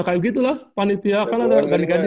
kan ada ganti ganti